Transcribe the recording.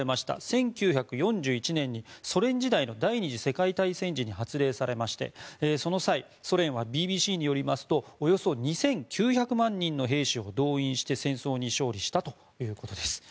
１９４１年、ソ連時代の第２次世界大戦時に発令されましてＢＢＣによりますとソ連はその際およそ２９００万人の兵士を動員して戦争に勝利したということです。